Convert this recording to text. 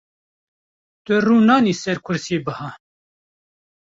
Tu rûnanî ser kursiyê biha.